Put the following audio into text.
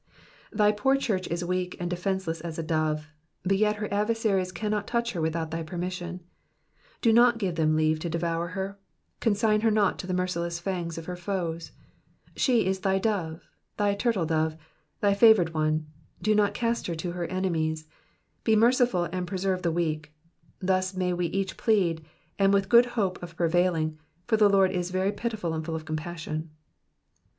''^ Thy poor church is weak and defenceless as a dove, but yet her adversaries cannot touch her without thy permission ; do not give them leave to devour her, consign her not to the merciless fangs of her foes. She is thy dove, thy turtle, thy favoured one, do not cast her to her enemies. Be merciful, and preserve the weak. Thus may we each plead, and with good hope of prevailing, for the Lord is very pitiful and full of compassion.